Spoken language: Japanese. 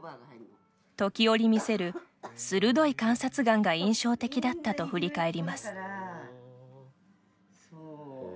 時折見せる鋭い観察眼が印象的だったと振り返ります。